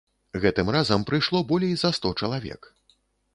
Гэтым разам прыйшло болей за сто чалавек.